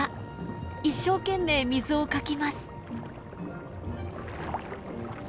一生懸命水をかきます。